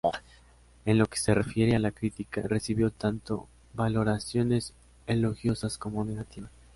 En lo que se refiere a la crítica, recibió tanto valoraciones elogiosas como negativas.